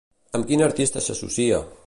Amb quin artista s'associa?